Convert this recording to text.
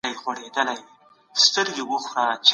مثبت فکر ستاسو د کړنو پایلې ښې کوي.